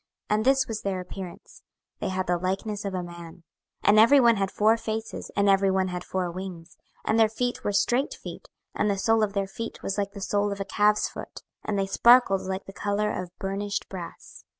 And this was their appearance; they had the likeness of a man. 26:001:006 And every one had four faces, and every one had four wings. 26:001:007 And their feet were straight feet; and the sole of their feet was like the sole of a calf's foot: and they sparkled like the colour of burnished brass.